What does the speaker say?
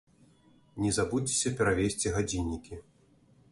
Не забудзьцеся перавесці гадзіннікі!